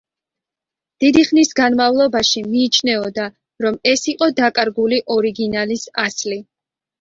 დიდი ხნის განმავლობაში მიიჩნეოდა, რომ ეს იყო დაკარგული ორიგინალის ასლი.